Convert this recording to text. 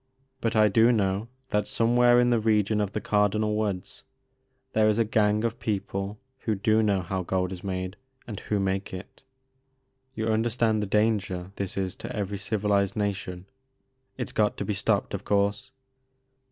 But I do know that somewhere in the region of the Cardinal Woods there is a gang of people who do know how gold is made, and who make it. You understand the danger this is to every civilized nation. It 's got to be stopped of course.